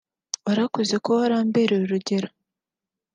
warakoze kuba warambereye urugero